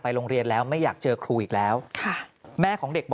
โรงเรียนแล้วไม่อยากเจอครูอีกแล้วค่ะแม่ของเด็กบอก